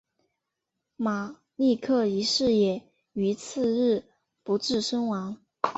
马立克一世也于次日不治身亡。